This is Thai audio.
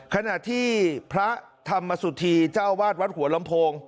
ขณะที่พระธรรมสุธีเจ้าวาดวัดหัวลำโพง